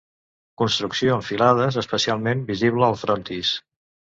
Construcció en filades, especialment visible al frontis.